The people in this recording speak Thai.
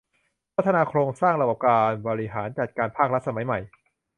พัฒนาโครงสร้างระบบการบริหารจัดการภาครัฐสมัยใหม่